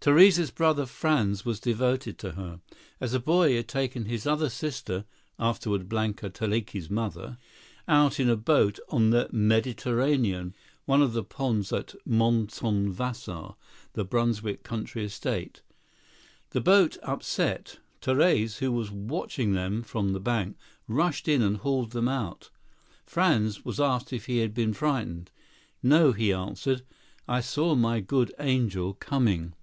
Therese's brother Franz was devoted to her. As a boy he had taken his other sister (afterward Blanka Teleki's mother) out in a boat on the "Mediterranean," one of the ponds at Montonvasar, the Brunswick country estate. The boat upset. Therese, who was watching them from the bank, rushed in and hauled them out. Franz was asked if he had been frightened. "No," he answered, "I saw my good angel coming."